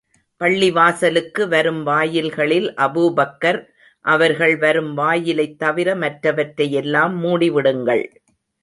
பள்ளிவாசலுக்கு வரும் வாயில்களில் அபூபக்கர் அவர்கள் வரும் வாயிலைத் தவிர மற்றவற்றை எல்லாம் மூடி விடுங்கள்.